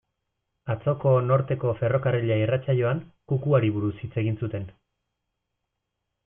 Atzoko Norteko Ferrokarrila irratsaioan, kukuari buruz hitz egin zuten.